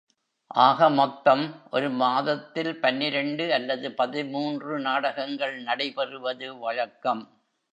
ஆக மொத்தம் ஒரு மாதத்தில் பன்னிரண்டு அல்லது பதிமூன்று நாடகங்கள் நடைபெறுவது வழக்கம்.